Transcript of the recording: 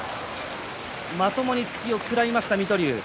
まともに突きを食らいました水戸龍。